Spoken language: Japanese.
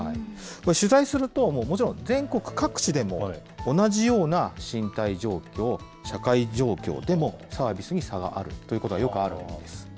取材すると、もちろん、全国各地でも同じような身体状況、社会状況でもサービスに差があるということはよくあるんです。